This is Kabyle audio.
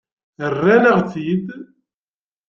Rran-aɣ-tt-id.